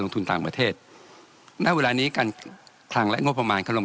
ทุนต่างประเทศณเวลานี้การคลังและงบประมาณเขาลง